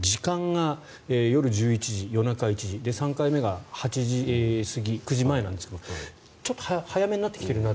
時間が夜１１時、夜中１時３回目が８時過ぎ９時前なんですがちょっと早めになってきているな。